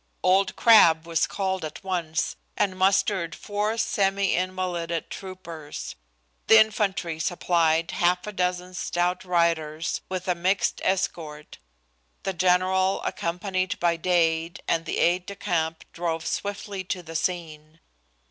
Old Crabb was called at once, and mustered four semi invalided troopers. The infantry supplied half a dozen stout riders and, with a mixed escort, the general, accompanied by Dade and the aide de camp, drove swiftly to the scene.